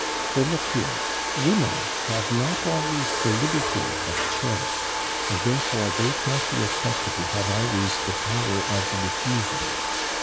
For look here: women have not always the liberty of choice, and therefore they can't be expected to have always the power of refusal.'